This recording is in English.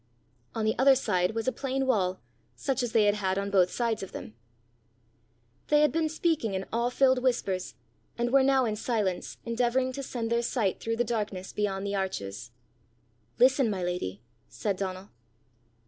On the other side was a plain wall, such as they had had on both sides of them. They had been speaking in awe filled whispers, and were now in silence endeavouring to send their sight through the darkness beyond the arches. "Listen, my lady," said Donal.